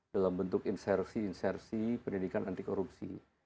dalam bentuk insersi insersi pendidikan anti korupsi